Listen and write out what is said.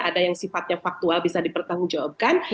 ada yang sifatnya faktual bisa dipertanggungjawabkan